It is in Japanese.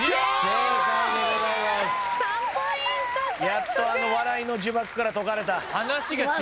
やっとあの笑いの呪縛から解かれた。